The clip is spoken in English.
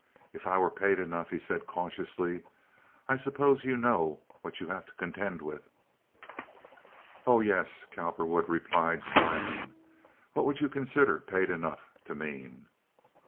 "If I were paid enough," he said, cautiously. "I suppose you know what you have to contend with?" "Oh yes," Cowperwood replied, smiling. "What would you consider 'paid enough' to mean?"